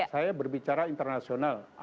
saya berbicara internasional